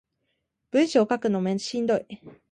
文章書くのしんどい